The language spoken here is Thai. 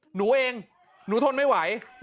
หนูเองหนูทนไม่ไหว